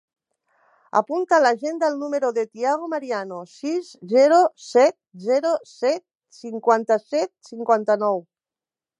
Apunta a l'agenda el número del Thiago Mariano: sis, zero, set, zero, set, cinquanta-set, cinquanta-nou.